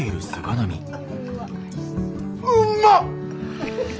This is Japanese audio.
うんまっ！